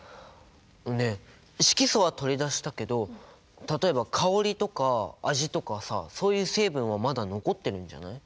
ねえ色素は取り出したけど例えば香りとか味とかさそういう成分はまだ残ってるんじゃない？